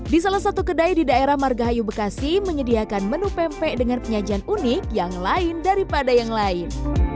di salah satu kedai di daerah margahayu bekasi menyediakan menu pempek dengan penyajian unik yang lain daripada yang lain